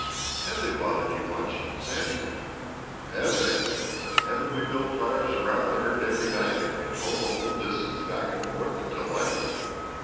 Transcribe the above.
"Have they bothered you much, Sandy?" "Have they! Haven't we built fires round the herd every night and patrolled the whole distance, back and forth, until light?